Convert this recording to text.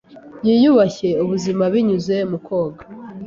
Yiyubashye ubuzima binyuze mu koga.